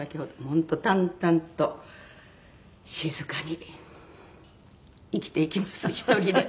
本当淡々と静かに生きていきます１人で。